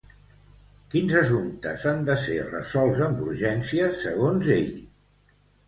Quins assumptes han de ser resolts amb urgència segons ell?